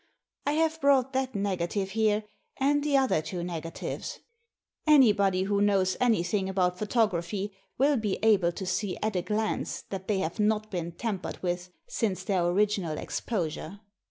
I have brought that negative here, and the other two negatives. Anybody who knows anything about photography will be able to see at a glance that they have not been tampered with since their original exposure.